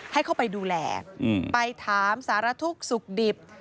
ให้เข้าไปดูแลไปถามสารทุกข์สุขดิบ